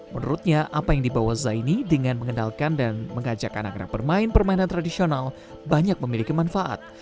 menurutnya apa yang dibawa zaini dengan mengenalkan dan mengajak anak anak bermain permainan tradisional banyak memiliki manfaat